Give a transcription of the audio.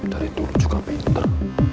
dari dulu juga pintar